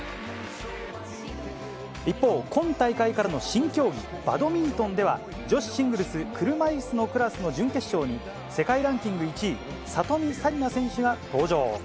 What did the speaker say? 一方、今大会からの新競技、バドミントンでは、女子シングルス車いすのクラスの準決勝に、世界ランキング１位、里見紗李奈選手が登場。